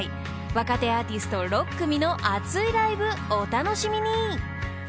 ［若手アーティスト６組の熱いライブお楽しみに］